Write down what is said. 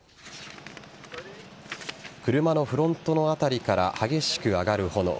車のフロントの辺りから激しく上がる炎。